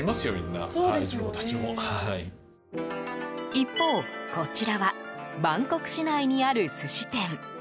一方、こちらはバンコク市内にある寿司店。